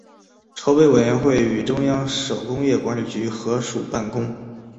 筹备委员会与中央手工业管理局合署办公。